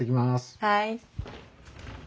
はい。